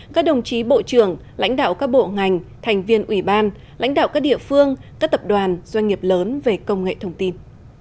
các đồng chí bộ trưởng lãnh đạo các bộ ngành thành viên ủy ban lãnh đạo các địa phương các tập đoàn doanh nghiệp lớn về công nghệ thông tin